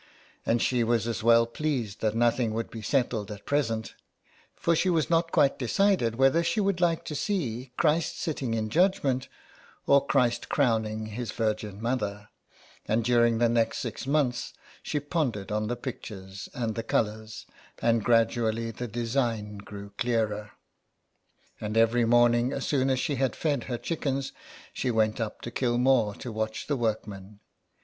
And she was as well pleased that nothing should be settled at present, for she was not quite decided whether she would like to see Christ sitting in judgment, or Christ crowning His Virgin Mother ; and during the next six months she pondered on the pictures and the colours, and gradually the design grew clearer. And every morning, as soon as she had fed her chickens, she went up to Kilmore to watch the work men.